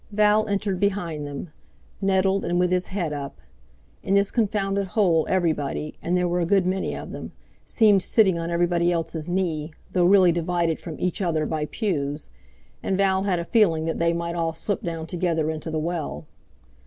Val entered behind them, nettled and with his head up. In this confounded hole everybody—and there were a good many of them—seemed sitting on everybody else's knee, though really divided from each other by pews; and Val had a feeling that they might all slip down together into the well.